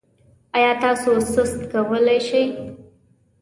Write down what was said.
ایا تاسو سست کولی شئ؟